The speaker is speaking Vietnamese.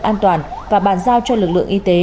an toàn và bàn giao cho lực lượng y tế